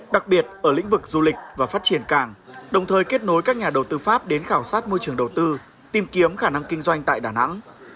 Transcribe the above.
đặc biệt ở lĩnh vực du lịch và phát triển cảng đồng thời kết nối các nhà đầu tư pháp đến khảo sát môi trường đầu tư tìm kiếm khả năng kinh doanh tại đà nẵng